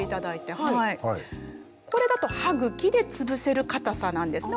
これだと歯茎でつぶせる硬さなんですね。